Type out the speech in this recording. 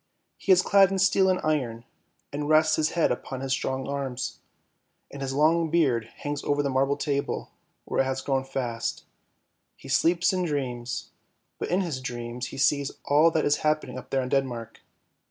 He is clad in steel and iron, and rests his head upon his strong arms, and his long beard hangs over the marble table where it has grown fast; he sleeps and dreams, but in his dreams he sees all that is happening up there in Denmark.